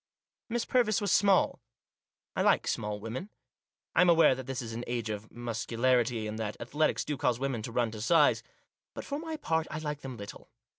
Miss Purvis was small. I like small women. I am aware that this is an age of muscularity, and that athletics do cause women to run to size. But, for my part, I like them little.